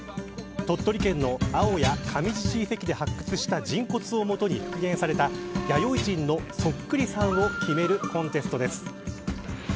鳥取県の青谷上寺地遺跡で発掘した人骨をもとに復元された弥生人のそっくりさんを決めるコンテストです。